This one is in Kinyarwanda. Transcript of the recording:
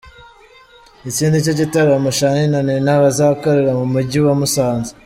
Iki nicyo gitaramo Charly na Nina bazakorera mu mujyi wa Musanze.